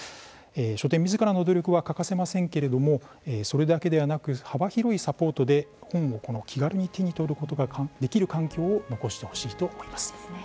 書店みずからの努力は欠かせませんけれどもそれだけではなく幅広いサポートで、本を気軽に手に取ることができる環境を残してほしいと思います。